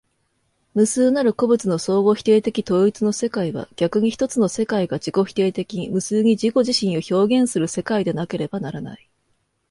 無数なる個物の相互否定的統一の世界は、逆に一つの世界が自己否定的に無数に自己自身を表現する世界でなければならない。